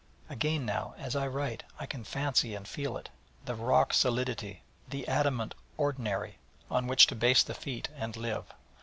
Again now, as I write, I can fancy and feel it the rocky solidity, the adamant ordinary, on which to base the feet, and live.